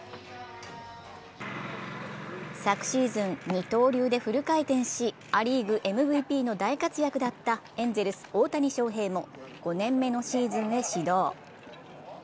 昨シーズン二刀流でフル回転し、ア・リーグＭＶＰの大活躍だったエンゼルス・大谷翔平も５年目のシーズンへ始動。